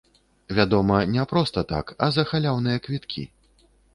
Вядома, не проста так, а за халяўныя квіткі.